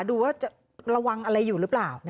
ดูว่าจะระวังอะไรอยู่หรือเปล่า